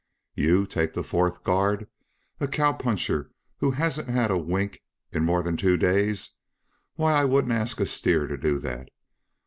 "You take the fourth guard? A cowpuncher who hasn't had a wink in more than two days? Why, I wouldn't ask a steer to do that!